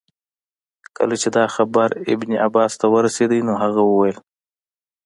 کله چي دا خبر ابن عباس ته ورسېدی نو هغه وویل.